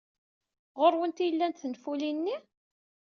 Ɣer-went ay llant tenfulin-nni?